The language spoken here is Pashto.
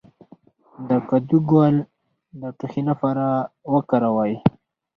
د کدو ګل د ټوخي لپاره وکاروئ